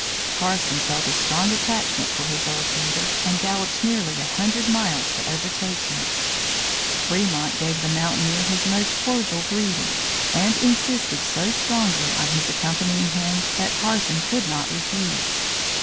Carson felt a strong attachment for his old leader and galloped nearly a hundred miles to overtake him. Fremont gave the mountaineer most cordial greeting and insisted so strongly on his accompanying him that Carson could not refuse.